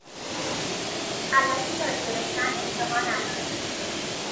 البته یادگرفتن انتها نداره.